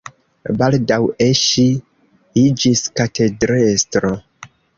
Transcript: Baldaŭe ŝi iĝis katedrestro.